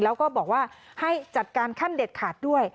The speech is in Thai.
แล้วก็บอกว่าให้จัดการขั้นเด็ดขาดด้วย